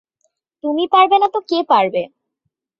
তুমি পারবে না তো কে পারবে?